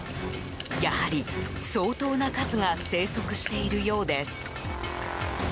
やはり、相当な数が生息しているようです。